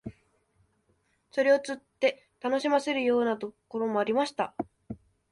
それを釣って楽しませるようなところもありました